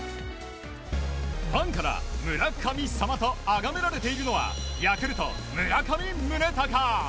ファンから村神様とあがめられているのはヤクルト、村上宗隆。